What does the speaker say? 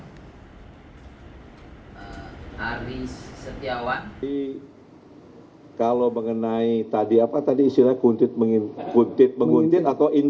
jampitsus kejagung febri ardiansya menyebut saat ini kasus penguntitan ditangani langsung jaksa agung